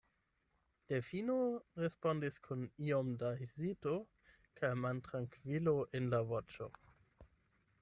Delfino respondis kun iom da hezito kaj maltrankvilo en la voĉo.